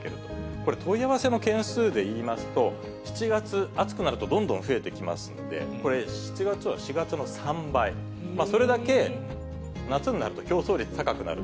これ、問い合わせの件数でいいますと、７月、暑くなるとどんどん増えてきますので、これ、７月は４月の３倍、それだけ夏になると競争率高くなる。